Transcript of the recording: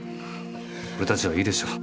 俺たちはいいでしょう。